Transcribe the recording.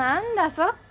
そっか。